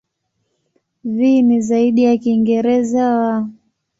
V ni zaidi ya Kiingereza "w".